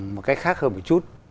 một cách khác hơn một chút